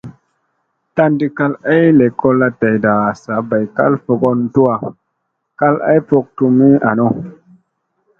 Tandii kal ay lekolla dayɗa saa bay kal fogon tuwa kal ay fok tummi anu.